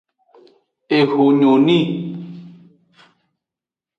Eho nyo ni.